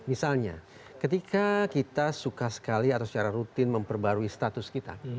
misalnya ketika kita suka sekali atau secara rutin memperbarui status kita